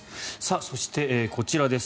そしてこちらです。